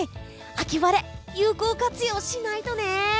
秋晴れ、有効活用しないとね。